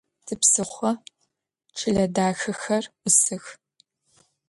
Tipsıxho çıle daxexer 'usıx.